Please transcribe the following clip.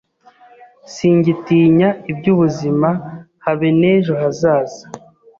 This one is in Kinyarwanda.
Singitinya iby’ubuzima habe n’ejo hazaza